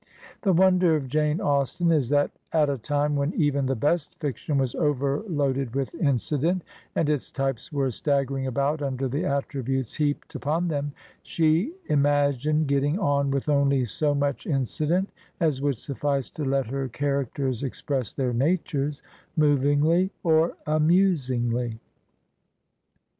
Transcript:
I The wonder of Jane Austen is that at a time when even I the best fiction was overloaded with incident, and its \ types went staggering about under the attributes heaped I upon them, she imagined getting on with only so much incident as would suffice to let her characters express their natures movingly or amusingly.